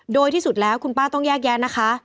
โดยที่สุดแล้วคุณป้าต้องแยกแยะนะคะ